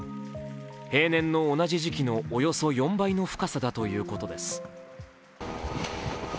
平年の同じ時期のおよそ４倍の深さだということです